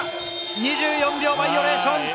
２４秒バイオレーション。